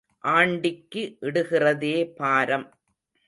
ஆண்டிக்கு இடுகிறதே பாரம்.